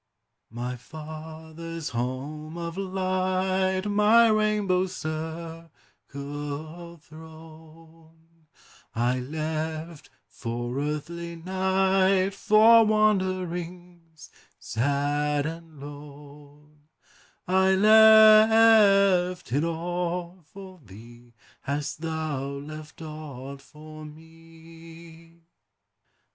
My Father's home of light, My rainbow circled throne, I left, for earthly night, For wanderings sad and lone. I left it all for thee; Hast thou left aught for me?